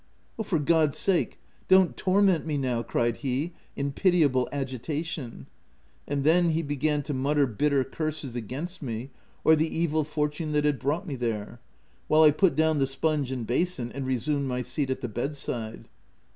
'' u For God's sake, don't torment me now !" cried he in pitiable agitation ; and then he be gan to mutter bitter curses against me, or the evil fortune that had brought me there ; while I put down the sponge and basin, and resumed my seat at the bed side.